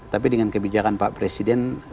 tapi dengan kebijakan pak presiden